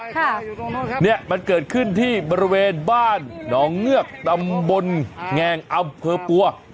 ค่ะเนี่ยมันเกิดขึ้นที่บริเวณบ้านหนองเงือกตำบลแงงอำเภอปัว